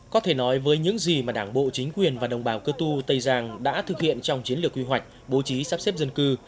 có thể nói với những gì mà đảng bộ chính quyền và đồng bào cơ tu tây giang đã thực hiện trong chiến lược quy hoạch bố trí sắp xếp dân cư